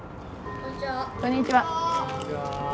こんにちは。